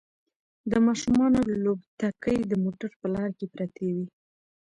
د ماشومانو لوبتکې د موټر په لاره کې پرتې وي